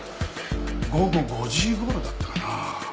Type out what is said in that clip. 午後５時頃だったかな